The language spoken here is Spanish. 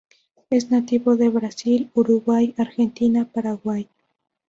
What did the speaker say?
Es nativo de Brasil, Uruguay, Argentina, Paraguay.